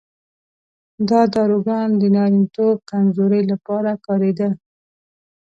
دا داروګان د نارینتوب کمزورۍ لپاره کارېدل.